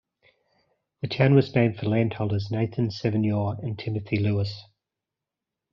The town was named for landholders Nathan, Sevignior and Timothy Lewis.